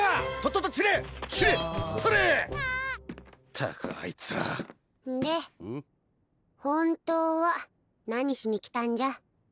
ったくあいつらで本当は何しに来たんじゃ？